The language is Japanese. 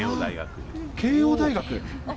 慶應大学。